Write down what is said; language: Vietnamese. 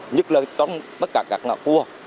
nhất là trong tất cả các ngã quốc